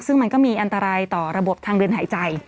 ซึ่งมันก็มีอันตรายต่อระบบทางเดินหายใจ